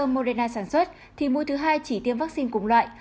do moderna sản xuất thì mũi thứ hai chỉ tiêm vaccine cùng loại